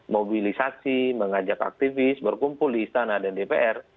mobilisasi mengajak aktivis berkumpul di istana dan dpr